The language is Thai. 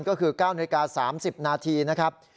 ก็คือ๙นาฬิกา๓๐นาทีนะครับ